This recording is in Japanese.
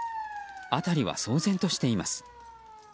辺りは騒然としています。